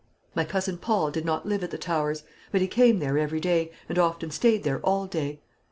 My cousin Paul did not live at the Towers; but he came there every day, and often stayed there all day.